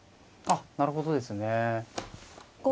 あっなるほどですね。